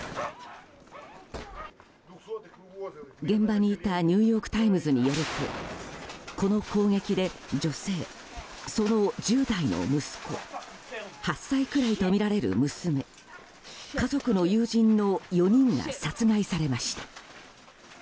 現場にいたニューヨーク・タイムズによるとこの攻撃で女性その１０代の息子８歳くらいとみられる娘家族の友人の４人が殺害されました。